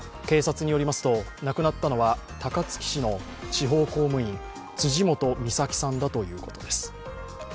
警察によりますと、亡くなったのは高槻市の地方公務員、辻本美沙樹さんだということです。